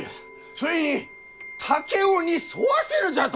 それに竹雄に添わせるじゃと！？